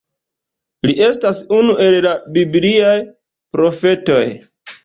Li estas unu el la bibliaj profetoj.